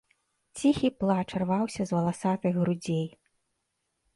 Ціхі плач рваўся з валасатых грудзей.